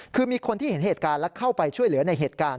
คือมีคนที่เห็นเหตุการณ์และเข้าไปช่วยเหลือในเหตุการณ์